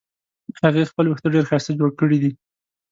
هغې خپل وېښته ډېر ښایسته جوړ کړې دي